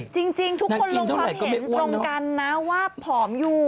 ใช่นางกินเท่าไหร่ก็ไม่อ้วนเนอะจริงทุกคนลงไปเห็นตรงกันนะว่าผอมอยู่